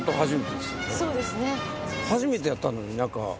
初めてやったのになんか。